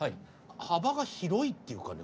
幅が広いっていうかね